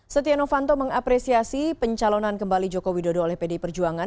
setia novanto mengapresiasi pencalonan kembali jokowi dodo oleh pd perjuangan